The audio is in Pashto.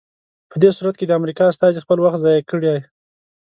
په دې صورت کې د امریکا استازي خپل وخت ضایع کړی.